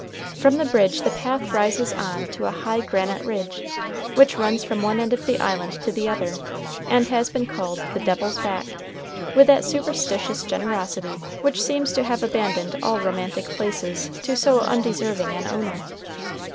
From the bridge the path rises on to a high granite ridge, which runs from one end of the island to the other, and has been called the Devil's Back, with that superstitious generosity which seems to have abandoned all romantic places to so undeserving an owner.